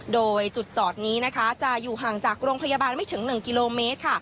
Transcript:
โดยจุดจอดนี้นะคะจะอยู่ห่างจากโรงพยาบาลไม่ถึง๑กิโลเมตร